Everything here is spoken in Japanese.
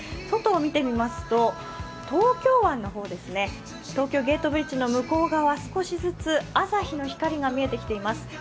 外を見てみますと、東京湾の方ですね、東京ゲートブリッジの向こう側少しずつ朝日の光が見えてきています。